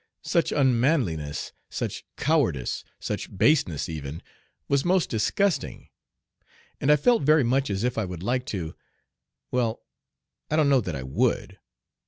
Such unmanliness, such cowardice, such baseness even, was most disgusting; and I felt very much as if I would like to well, I don't know that I would.